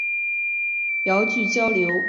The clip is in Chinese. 遥距交流持续性的工作沟通与协作